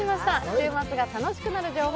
週末が楽しくなる情報